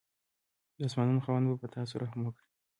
د اسمانانو خاوند به په تاسو رحم وکړي.